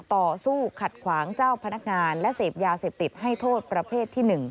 ต่อสู้ขัดขวางเจ้าพนักงานและเสพยาเสพติดให้โทษประเภทที่๑